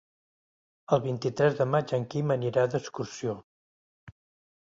El vint-i-tres de maig en Quim anirà d'excursió.